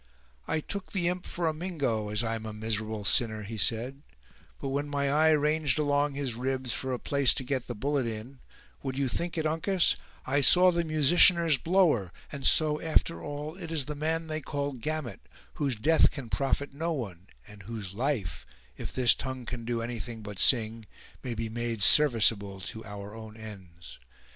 "I took the imp for a Mingo, as I'm a miserable sinner!" he said; "but when my eye ranged along his ribs for a place to get the bullet in—would you think it, Uncas—I saw the musicianer's blower; and so, after all, it is the man they call Gamut, whose death can profit no one, and whose life, if this tongue can do anything but sing, may be made serviceable to our own ends.